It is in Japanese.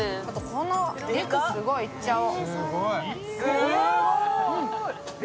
この肉、すごい、いっちゃおう。